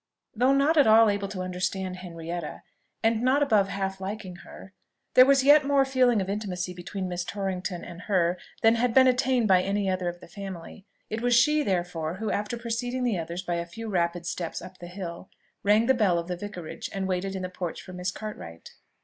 Though not at all able to understand Henrietta, and not above half liking her, there was yet more feeling of intimacy between Miss Torrington and her than had been attained by any other of the family. It was she, therefore, who, after preceding the others by a few rapid steps up the hill, rang the bell of the Vicarage, and waited in the porch for Miss Cartwright.